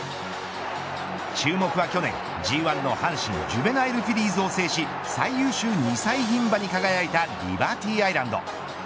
注目は去年Ｇ１の阪神ジュベナイルフィリーズを制し最優秀２歳牝馬に輝いたリバティアイランド。